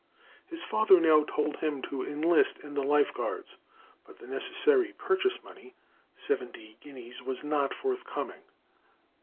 His father now told him to enlist in the Life Guards, but the necessary purchase money, seventy guineas, was not forthcoming.